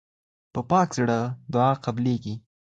په پاک زړه دعا قبلیږي.